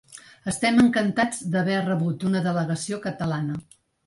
Estem encantats d’haver rebut una delegació catalana.